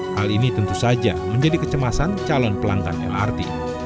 hal ini tentu saja menjadi kecemasan calon pelanggan lrt